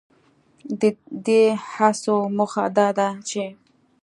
ددې هڅو موخه دا ده چې